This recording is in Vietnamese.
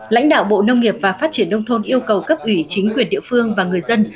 lãnh đạo bộ nông nghiệp và phát triển nông thôn yêu cầu cấp ủy chính quyền địa phương và người dân